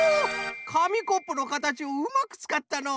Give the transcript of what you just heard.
かみコップのかたちをうまくつかったのう。